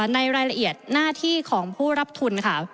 ในรายละเอียดหน้าที่ของผู้รับทุนค่ะ